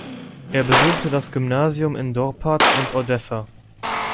Er besuchte das Gymnasium in Dorpat und Odessa.